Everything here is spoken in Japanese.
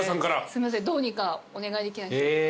すいませんどうにかお願いできないでしょうか。